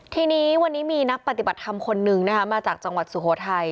ทีนี้วันนี้มีนักปฏิบัติธรรมคนนึงนะคะมาจากจังหวัดสุโขทัย